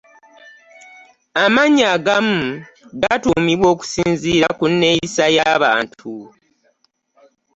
Amannya agamu gatuumibwa okusinzira ku nneyisa y'abantu.